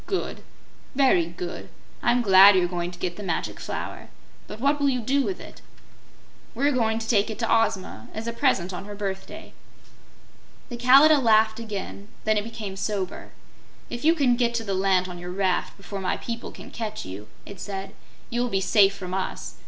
"Good! Very good! I'm glad you're going to get the Magic Flower. But what will you do with it?" "We're going to take it to Ozma, as a present on her birthday." The Kalidah laughed again; then it became sober. "If you get to the land on your raft before my people can catch you," it said, "you will be safe from us.